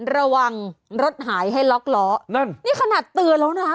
รถหายให้ล็อกล้อนั่นนี่ขนาดเตือนแล้วนะ